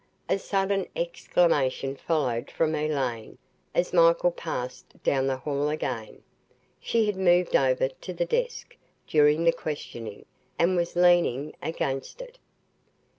A sudden exclamation followed from Elaine as Michael passed down the hall again. She had moved over to the desk, during the questioning, and was leaning against it.